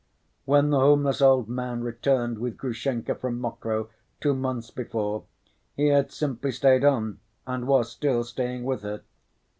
When the homeless old man returned with Grushenka from Mokroe two months before, he had simply stayed on and was still staying with her.